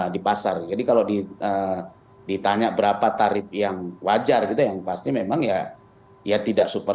di pasar jadi kalau ditanya berapa tarif yang wajar gitu yang pasti memang ya ya tidak super